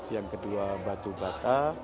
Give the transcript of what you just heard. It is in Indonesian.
yang kedua batu bata